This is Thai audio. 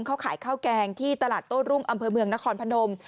เขาขายข้าวแกงที่ตลาดโต้รุ่งอำเภอเมืองนครพนม